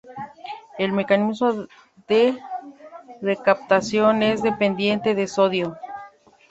El mecanismo de recaptación es dependiente de sodio.